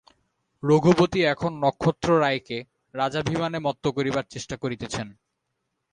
রঘুপতি এখন নক্ষত্ররায়কে রাজাভিমানে মত্ত করিবার চেষ্টা করিতেছেন।